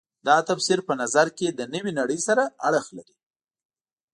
دا تفسیر په نظر کې د نوې نړۍ سره اړخ لري.